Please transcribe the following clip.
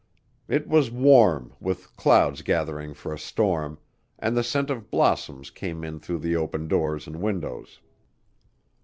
It was warm, with clouds gathering for a storm, and the scent of blossoms came in through the open doors and windows.